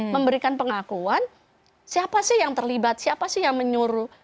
memberikan pengakuan siapa sih yang terlibat siapa sih yang menyuruh